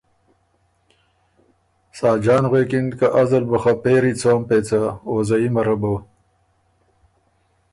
ساجان غوېکِن که ازل بُو خه پېری څوم پېڅه او زئِمه ره بُو۔